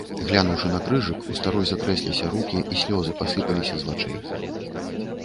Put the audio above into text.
Глянуўшы на крыжык, у старой затрэсліся рукі, і слёзы пасыпаліся з вачэй.